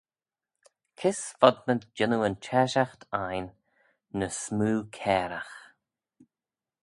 Kys fodmayd jannoo yn çheshaght ain ny smoo cairagh?